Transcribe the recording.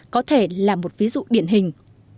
có thể là một ví dụ điển hình